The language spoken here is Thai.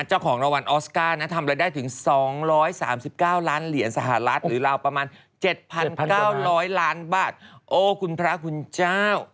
เจ้าของรางวัลออสการ์นะทำรายได้ถึง๒๓๙ล้านเหรียญสหรัฐหรือราวประมาณ๗๙๐๐ล้านบาทโอ้คุณพระคุณเจ้า